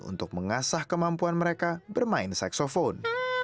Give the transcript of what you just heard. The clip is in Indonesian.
untuk mengasah kemampuan mereka bermain seksofon